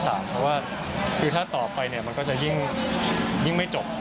เพราะว่าถ้าตอบไปเนี่ยมันก็จะยิ่งไม่จบ